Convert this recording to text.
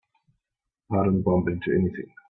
And don't bump into anything.